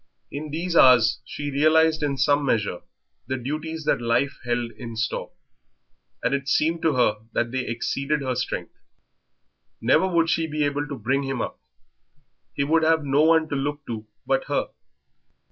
In these hours she realised in some measure the duties that life held in store, and it seemed to her that they exceeded her strength. Never would she be able to bring him up he would have no one to look to but her.